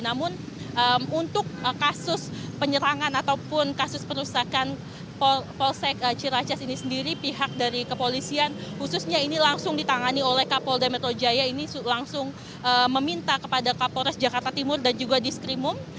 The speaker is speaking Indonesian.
namun untuk kasus penyerangan ataupun kasus perusahaan polsek ciracas ini sendiri pihak dari kepolisian khususnya ini langsung ditangani oleh kapolda metro jaya ini langsung meminta kepada kapolres jakarta timur dan juga diskrimum